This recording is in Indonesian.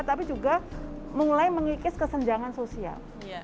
tapi juga mulai mengikis kesenjangan sosial